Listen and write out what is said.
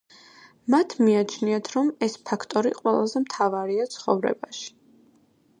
მათ მიაჩნიათ, რომ ეს ფაქტორი ყველაზე მთავარია ცხოვრებაში.